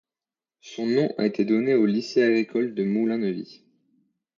Son nom a été donné au lycée agricole de Moulins-Neuvy.